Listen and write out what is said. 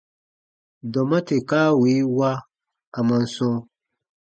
Dɔma tè kaa wii wa, a man sɔ̃: